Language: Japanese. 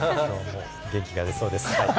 元気がでそうです。